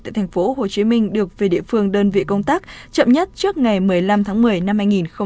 tại tp hcm được về địa phương đơn vị công tác chậm nhất trước ngày một mươi năm tháng một mươi năm hai nghìn một mươi chín